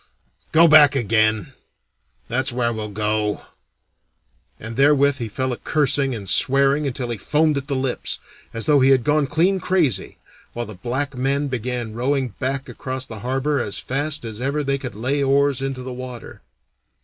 Go back again that's where we'll go!" and therewith he fell a cursing and swearing until he foamed at the lips, as though he had gone clean crazy, while the black men began rowing back again across the harbor as fast as ever they could lay oars into the water.